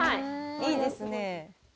「いいですね」